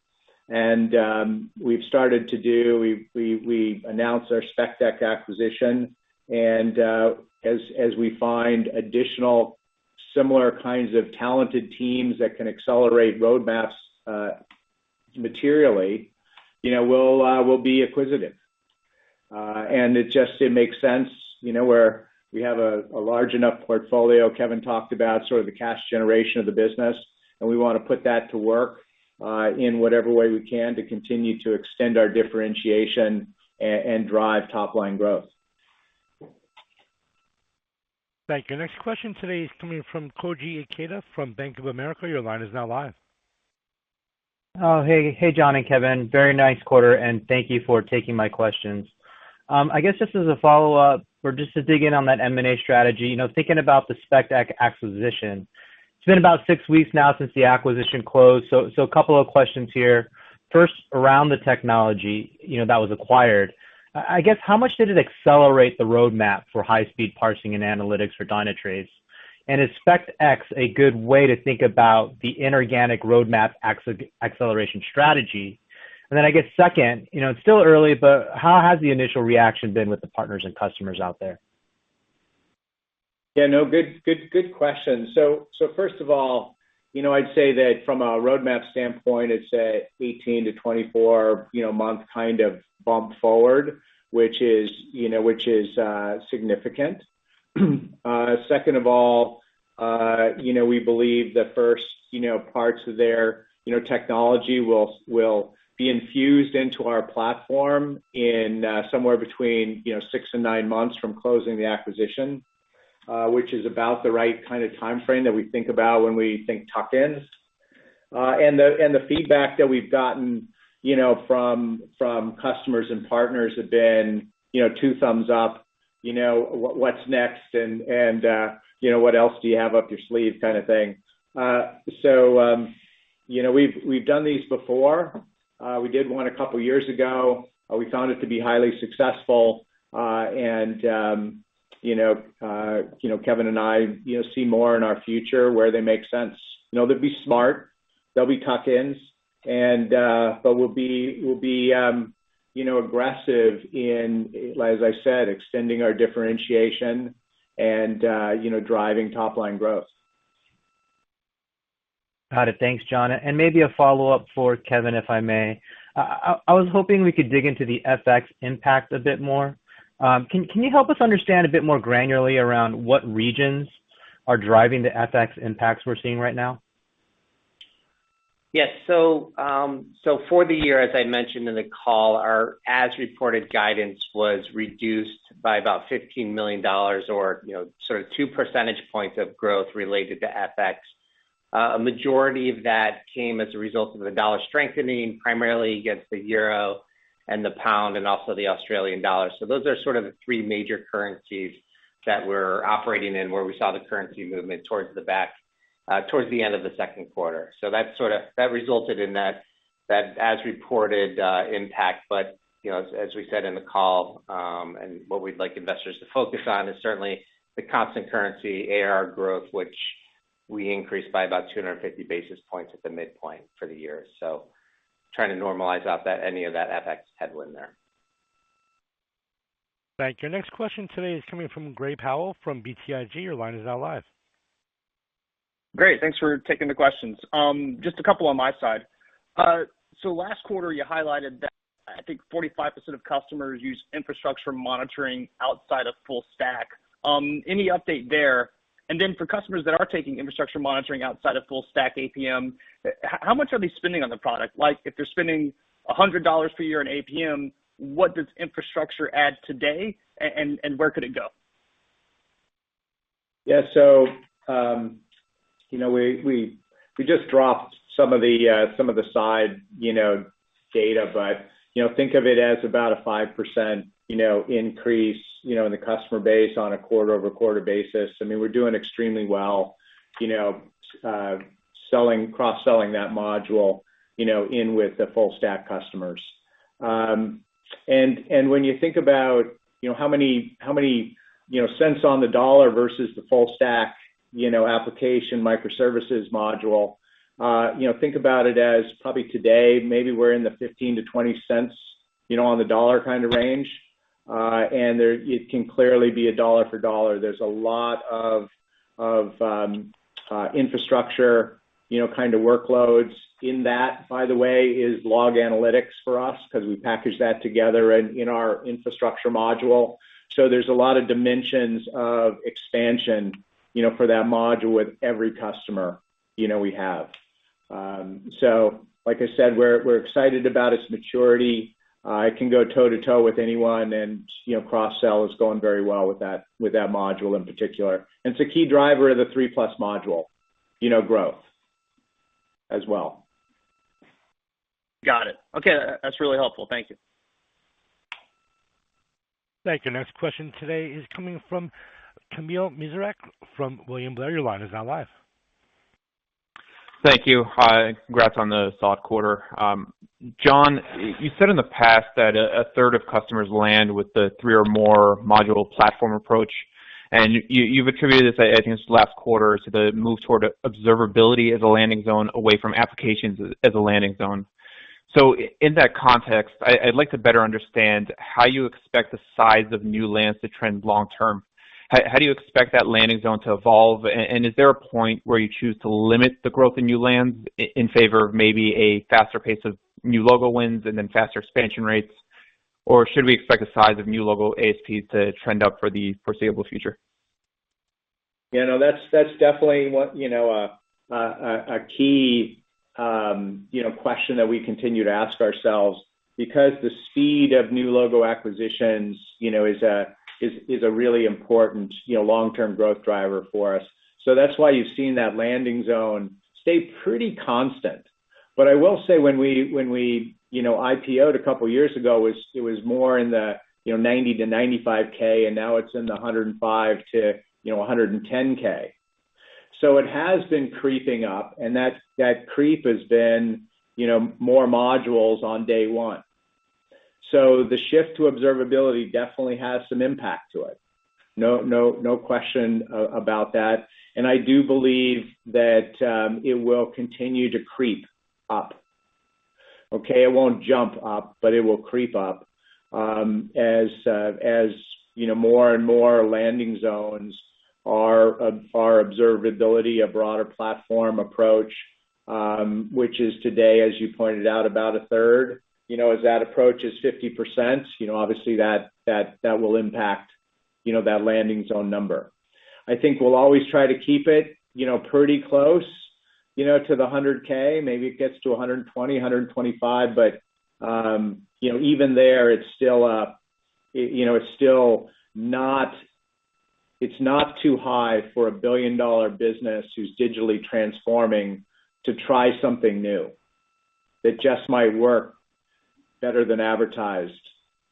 We've announced our SpectX acquisition, and as we find additional similar kinds of talented teams that can accelerate roadmaps materially, you know, we'll be acquisitive. It just makes sense, you know, where we have a large enough portfolio. Kevin talked about sort of the cash generation of the business, and we wanna put that to work in whatever way we can to continue to extend our differentiation and drive top-line growth. Thank you. Next question today is coming from Koji Ikeda from Bank of America. Your line is now live. Oh, hey, John and Kevin. Very nice quarter, and thank you for taking my questions. I guess just as a follow-up or just to dig in on that M&A strategy, you know, thinking about the SpectX acquisition, it's been about six weeks now since the acquisition closed, so a couple of questions here. First, around the technology, you know, that was acquired, I guess how much did it accelerate the roadmap for high-speed parsing and analytics for Dynatrace? And is SpectX a good way to think about the inorganic roadmap acceleration strategy? And then I guess second, you know, it's still early, but how has the initial reaction been with the partners and customers out there? Yeah. No, good question. First of all, you know, I'd say that from a roadmap standpoint, it's a 18-24-month kind of bump forward, which is, you know, significant. Second of all, you know, we believe the first parts of their technology will be infused into our platform in somewhere between 6 months-9 months from closing the acquisition, which is about the right kind of timeframe that we think about when we think tuck-ins. And the feedback that we've gotten, you know, from customers and partners have been two thumbs up, what's next and what else do you have up your sleeve kind of thing. So, you know, we've done these before. We did one a couple years ago. We found it to be highly successful. You know, Kevin and I, you know, see more in our future where they make sense. You know, they'll be smart, they'll be tuck-ins, but we'll be, you know, aggressive in, as I said, extending our differentiation and, you know, driving top line growth. Got it. Thanks, John. Maybe a follow-up for Kevin, if I may. I was hoping we could dig into the FX impact a bit more. Can you help us understand a bit more granularly around what regions are driving the FX impacts we're seeing right now? Yes. For the year, as I mentioned in the call, our as-reported guidance was reduced by about $15 million or, you know, sort of two percentage points of growth related to FX. A majority of that came as a result of the dollar strengthening, primarily against the euro and the pound and also the Australian dollar. Those are sort of the three major currencies that we're operating in, where we saw the currency movement towards the end of the second quarter. That resulted in that as-reported impact. You know, as we said in the call, and what we'd like investors to focus on is certainly the constant currency AR growth, which we increased by about 250 basis points at the midpoint for the year. Trying to normalize out any of that FX headwind there. Thank you. Next question today is coming from Gray Powell from BTIG. Your line is now live. Great. Thanks for taking the questions. Just a couple on my side. Last quarter, you highlighted that I think 45% of customers use infrastructure monitoring outside of Full-Stack. Any update there? And then for customers that are taking infrastructure monitoring outside of Full-Stack APM, how much are they spending on the product? Like, if they're spending $100 per year in APM, what does infrastructure add today and where could it go? We just dropped some of the side data, but you know, think of it as about a 5% increase in the customer base on a quarter-over-quarter basis. I mean, we're doing extremely well, you know, cross-selling that module, you know, in with the Full-Stack customers. When you think about, you know, how many cents on the dollar versus the Full-Stack application microservices module, you know, think about it as probably today, maybe we're in the $0.15-$0.20, you know, on the dollar kind of range. It can clearly be a dollar for dollar. There's a lot of infrastructure, you know, kind of workloads. In that, by the way, is log analytics for us 'cause we package that together in our infrastructure module. There's a lot of dimensions of expansion, you know, for that module with every customer, you know, we have. Like I said, we're excited about its maturity. It can go toe-to-toe with anyone, and, you know, cross-sell is going very well with that module in particular. It's a key driver of the three-plus module, you know, growth as well. Got it. Okay. That's really helpful. Thank you. Thank you. Next question today is coming from Kamil Mielczarek from William Blair. Your line is now live. Thank you. Hi. Congrats on the solid quarter. John, you said in the past that a third of customers land with the three or more module platform approach. You've attributed this, I think it's last quarter to the move toward observability as a landing zone away from applications as a landing zone. In that context, I'd like to better understand how you expect the size of new lands to trend long term. How do you expect that landing zone to evolve? Is there a point where you choose to limit the growth in new lands in favor of maybe a faster pace of new logo wins and then faster expansion rates? Or should we expect the size of new logo ASPs to trend up for the foreseeable future? Yeah. No, that's definitely what, you know, a key question that we continue to ask ourselves because the speed of new logo acquisitions, you know, is a really important, you know, long-term growth driver for us. That's why you've seen that landing zone stay pretty constant. But I will say when we, you know, IPO'd a couple of years ago, it was more in the, you know, $90K-$95K, and now it's in the $105K-$110K. It has been creeping up, and that creep has been, you know, more modules on day one. The shift to observability definitely has some impact to it. No question about that. I do believe that it will continue to creep up, okay? It won't jump up, but it will creep up, as you know, more and more landing zones are observability, a broader platform approach, which is today, as you pointed out, about a third. You know, as that approach is 50%, you know, obviously that will impact that landing zone number. I think we'll always try to keep it, you know, pretty close, you know, to the 100,000. Maybe it gets to 120,000, 125,000. But you know, even there, it's still you know, it's still not too high for a billion-dollar business who's digitally transforming to try something new that just might work better than advertised,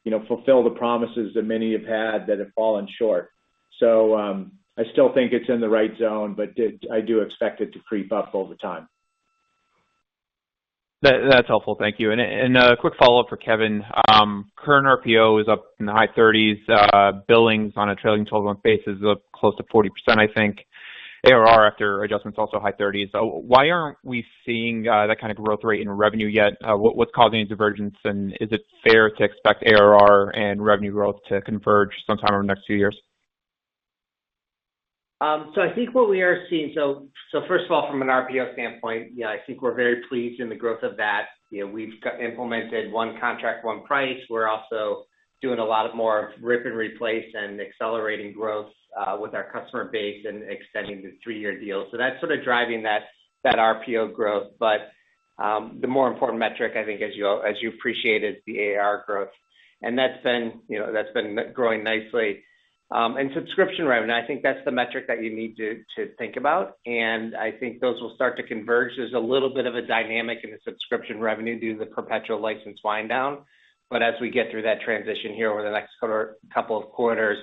you know, fulfill the promises that many have had that have fallen short. I still think it's in the right zone, but I do expect it to creep up over time. That's helpful. Thank you. A quick follow-up for Kevin. Current RPO is up in the high 30s%. Billings on a trailing 12-month basis is close to 40%, I think. ARR after adjustment is also high 30s%. Why aren't we seeing that kind of growth rate in revenue yet? What's causing the divergence, and is it fair to expect ARR and revenue growth to converge sometime over the next two years? I think what we are seeing first of all, from an RPO standpoint, yeah, I think we're very pleased in the growth of that. You know, we've implemented one contract, one price. We're also doing a lot more of rip and replace and accelerating growth with our customer base and extending the three-year deal. That's sort of driving that RPO growth. The more important metric, I think, as you appreciated, is the ARR growth. That's been, you know, growing nicely. Subscription revenue, I think that's the metric that you need to think about, and I think those will start to converge. There's a little bit of a dynamic in the subscription revenue due to the perpetual license wind down. As we get through that transition here over the next couple of quarters,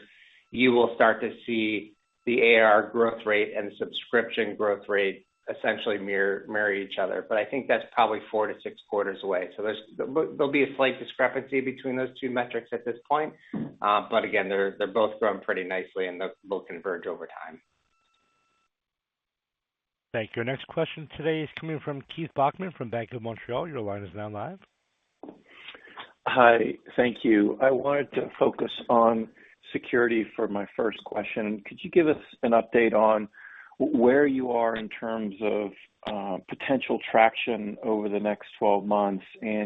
you will start to see the ARR growth rate and subscription growth rate essentially marry each other. I think that's probably 4-6 quarters away. There'll be a slight discrepancy between those two metrics at this point. Again, they're both growing pretty nicely, and they'll converge over time. Thank you. Our next question today is coming from Keith Bachman from Bank of Montreal. Your line is now live. Hi. Thank you. I wanted to focus on security for my first question. Could you give us an update on where you are in terms of potential traction over the next 12 months?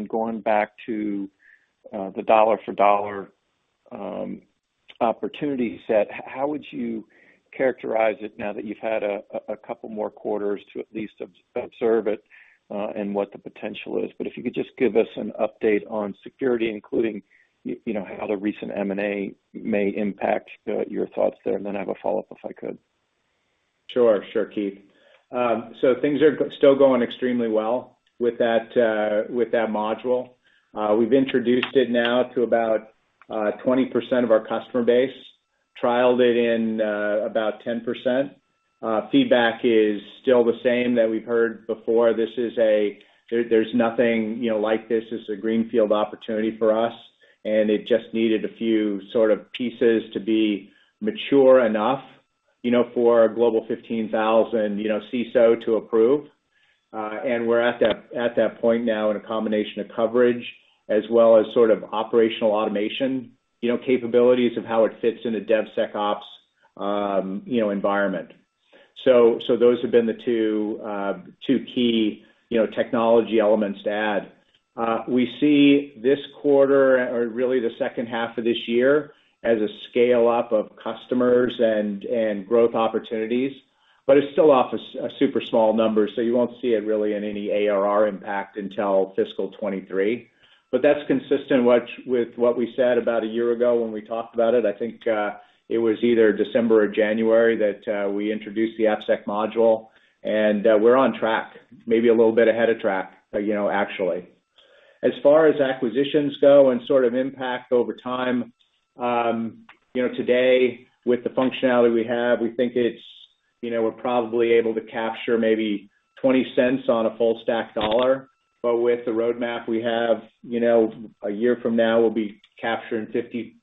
Going back to the dollar for dollar opportunity set, how would you characterize it now that you've had a couple more quarters to at least observe it, and what the potential is? If you could just give us an update on security, including you know how the recent M&A may impact your thoughts there, and then I have a follow-up, if I could. Sure, Keith. Things are still going extremely well with that module. We've introduced it now to about 20% of our customer base, trialed it in about 10%. Feedback is still the same that we've heard before. There is nothing like this. This is a greenfield opportunity for us, and it just needed a few sort of pieces to be mature enough, you know, for a Global 15,000, you know, CISO to approve. We're at that point now in a combination of coverage as well as sort of operational automation, you know, capabilities of how it fits in a DevSecOps, you know, environment. Those have been the two key, you know, technology elements to add. We see this quarter or really the second half of this year as a scale-up of customers and growth opportunities, but it's still off a super small number, so you won't see it really in any ARR impact until fiscal 2023. That's consistent with what we said about a year ago when we talked about it. I think, it was either December or January that, we introduced the AppSec module, and, we're on track, maybe a little bit ahead of track, you know, actually. As far as acquisitions go and sort of impact over time, you know, today with the functionality we have, we think it's, you know, we're probably able to capture maybe $0.20 on a Full-Stack dollar, but with the roadmap we have, you know, a year from now we'll be capturing $0.50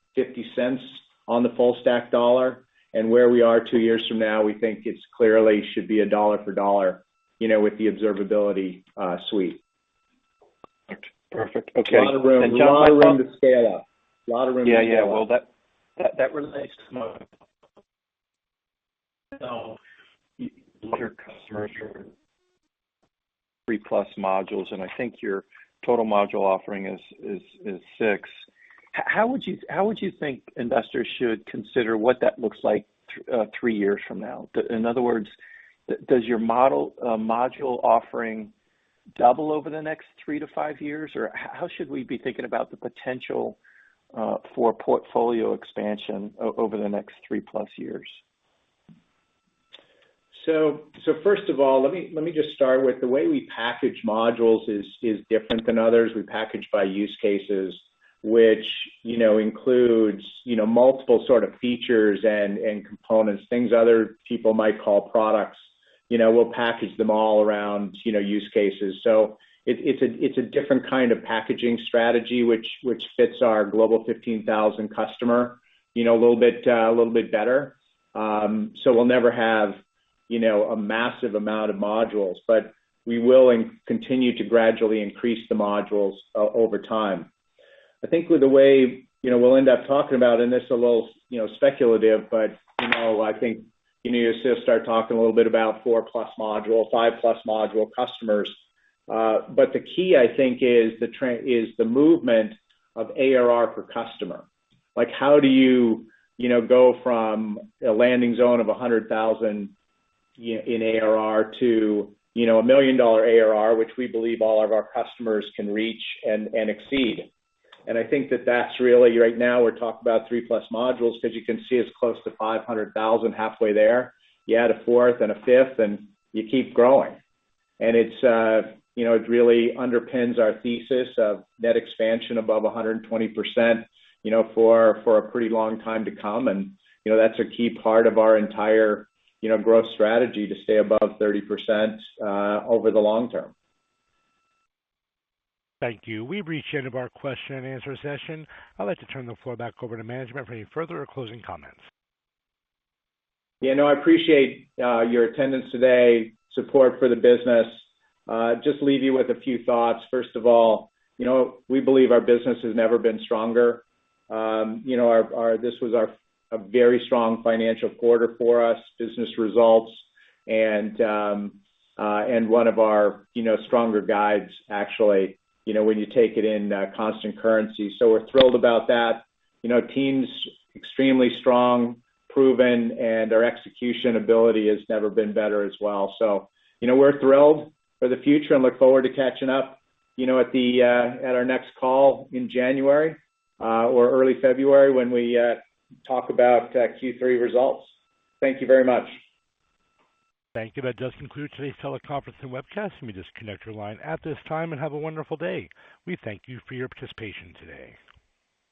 on the Full-Stack dollar. Where we are 2 years from now, we think it's clearly should be a dollar for dollar, you know, with the observability suite. Perfect. Okay. A lot of room to scale up. Yeah. Well, that relates to my three-plus modules, and I think your total module offering is six. How would you think investors should consider what that looks like three years from now? In other words, does your module offering double over the next three to five years, or how should we be thinking about the potential for portfolio expansion over the next three-plus years? First of all, let me just start with the way we package modules is different than others. We package by use cases, which you know includes you know multiple sort of features and components, things other people might call products. You know, we'll package them all around you know use cases. It is a different kind of packaging strategy which fits our Global 15,000 customer you know a little bit better. We'll never have you know a massive amount of modules, but we will continue to gradually increase the modules over time. I think with the way you know we'll end up talking about, and this is a little you know speculative, but you know I think you know you'll see us start talking a little bit about 4-plus module, 5-plus module customers. The key, I think, is the movement of ARR per customer. Like, how do you know, go from a landing zone of $100,000 in ARR to, you know, a $1 million ARR, which we believe all of our customers can reach and exceed. I think that that's really, right now we're talking about three-plus modules, 'cause you can see it's close to $500,000, halfway there. You add a fourth and a fifth, and you keep growing. It's, you know, it really underpins our thesis of net expansion above 120%, you know, for a pretty long time to come. You know, that's a key part of our entire, you know, growth strategy to stay above 30% over the long term. Thank you. We've reached the end of our question and answer session. I'd like to turn the floor back over to management for any further or closing comments. Yeah, no, I appreciate your attendance today and support for the business. Let me just leave you with a few thoughts. First of all, you know, we believe our business has never been stronger. You know, this was a very strong financial quarter for us, business results and one of our stronger guides actually, you know, when you take it in constant currency. We're thrilled about that. You know, team's extremely strong, proven, and our execution ability has never been better as well. You know, we're thrilled for the future and look forward to catching up, you know, at our next call in January or early February when we talk about Q3 results. Thank you very much. Thank you. That does conclude today's teleconference and webcast. You may disconnect your line at this time, and have a wonderful day. We thank you for your participation today.